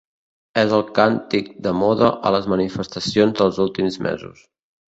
És el càntic de moda a les manifestacions dels últims mesos.